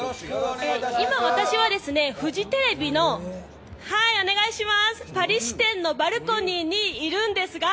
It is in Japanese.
今、私は、フジテレビのパリ支店のバルコニーにいるんですが。